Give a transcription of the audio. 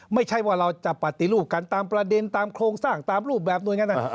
ไม่ใช่ว่าเราจะปฏิรูปกันตามประเด็นตามโครงสร้างตามรูปแบบหน่วยงานต่าง